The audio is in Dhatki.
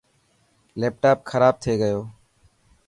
ليپٽاپ کراب ٿي گيو.